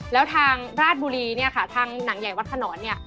แล้วทางราชบุรีเนี่ยค่ะทางหนังใหญ่วัดขนอนเนี่ย